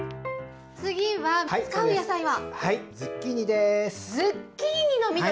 次は使う野菜は？